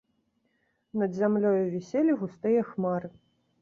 Над зямлёю віселі густыя хмары.